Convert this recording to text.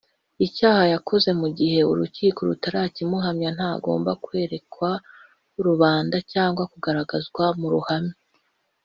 icyaha yakoze mu gihe urukiko rutarakimuhamya ntagomba kwerekwa rubanda cyangwa kugaragazwa mu ruhame